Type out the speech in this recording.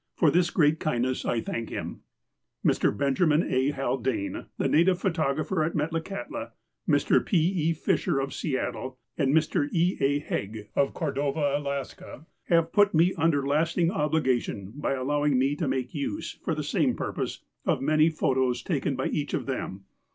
For this great kindness I thank him. Mr. Benjamin A. Haldane, the native photographer at Metlakahtla, Mr. P. E. Fisher, of Seattle, and Mr. E. A. Hegg, of Cordova, Alaska, have put me under lasting obligation by allowing me to make use, for the same pur pose, of many photos taken by each of them.